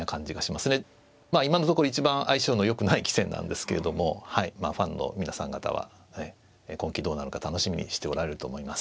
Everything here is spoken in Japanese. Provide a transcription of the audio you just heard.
まあ今のところ一番相性のよくない棋戦なんですけれどもファンの皆さん方は今期どうなのか楽しみにしておられると思います。